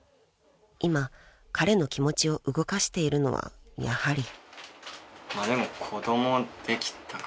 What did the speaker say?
［今彼の気持ちを動かしているのはやはり］